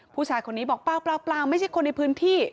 ผู้ชายคนนี้บอกเปล่าไม่ใช่คนในพื้นที่